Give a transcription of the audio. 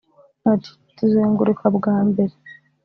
ati “Tuzenguruka bwa mbere